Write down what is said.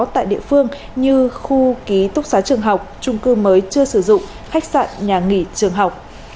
tại địa phương như khu ký túc xá trường học trung cư mới chưa sử dụng khách sạn nhà nghỉ trường học